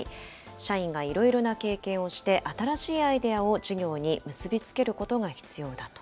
社員がいろいろな経験をして、新しいアイデアを事業に結び付けることが必要だと。